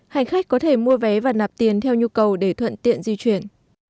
hành khách có thể mua vé và nạp tiền theo nhu cầu để thuận tiện di chuyển